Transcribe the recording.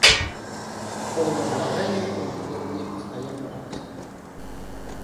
Полное обладание им было ей постоянно радостно.